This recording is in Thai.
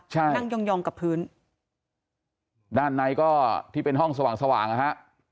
ใช่นั่งยองยองกับพื้นด้านในก็ที่เป็นห้องสว่างสว่างนะฮะ